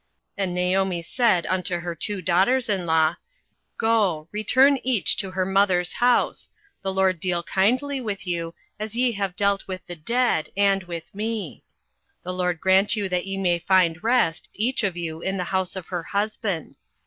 08:001:008 And Naomi said unto her two daughters in law, Go, return each to her mother's house: the LORD deal kindly with you, as ye have dealt with the dead, and with me. 08:001:009 The LORD grant you that ye may find rest, each of you in the house of her husband.